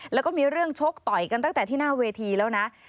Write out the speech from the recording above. แล้วก็มีเรื่องชกต่อยกันตั้งแต่ที่หน้าเวทีแล้วนะ